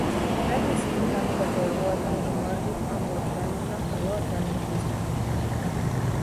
Megbízható támogatója volt Anjou Margit angol királynénak a York elleni küzdelmében.